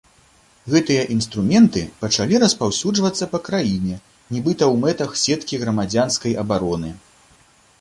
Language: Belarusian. Гэтыя інструменты пачалі распаўсюджвацца па краіне, нібыта ў мэтах сеткі грамадзянскай абароны.